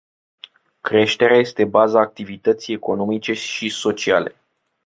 Creșterea este baza activității economice și sociale.